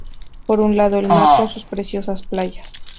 Por un lado el mar con sus preciosas playas.